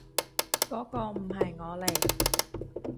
嗰個唔係我嚟